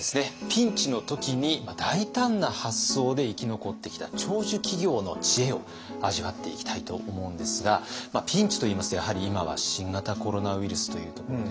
ピンチの時に大胆な発想で生き残ってきた長寿企業の知恵を味わっていきたいと思うんですがピンチといいますとやはり今は新型コロナウイルスというところでしょうね。